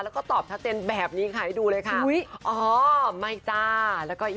แล้วก็เป็นรูปบ๊ายบาย